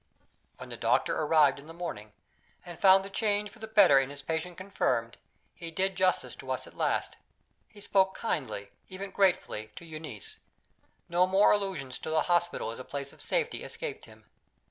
When the doctor arrived in the morning, and found the change for the better in his patient confirmed, he did justice to us at last. He spoke kindly, and even gratefully, to Euneece. No more allusions to the hospital as a place of safety escaped him.